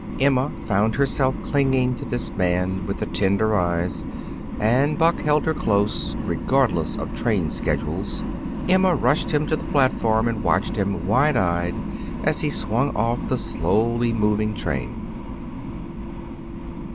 Emma found herself clinging to this man with the tender eyes, and Buck held her close, regardless of train schedules. Emma rushed him to the platform and watched him, wide eyed, as he swung off the slowly moving train.